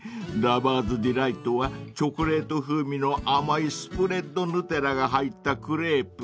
［ラバーズディライトはチョコレート風味の甘いスプレッド＝ヌテラが入ったクレープ］